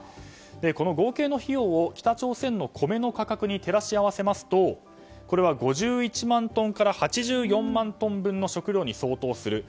この合計の費用を北朝鮮の米の価格に照らし合わせますとこれは５１万トンから８４万トン分の食糧に相当すると。